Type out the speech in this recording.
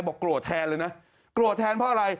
บอกโกรธแทนเลยนะโกรธแทนเพราะอะไร